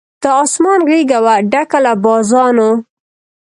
د آسمان غېږه وه ډکه له بازانو